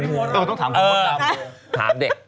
ต้องถามคุณมดดำถามเด็ก